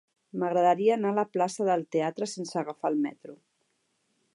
M'agradaria anar a la plaça del Teatre sense agafar el metro.